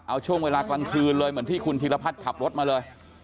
เอาช่วงเวลากลางคืนเลยเหมือนที่คุณธีรพัฒน์ขับรถมาเลย